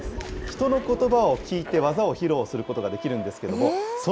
ひとのことばを聞いて、技を披露することができるんです